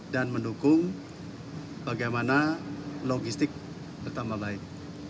dan mendukung bagaimana logistik bertambah baik